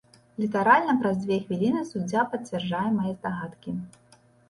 Літаральна праз дзве хвіліны суддзя пацвярджае мае здагадкі.